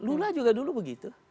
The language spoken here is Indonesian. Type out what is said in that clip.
lula juga dulu begitu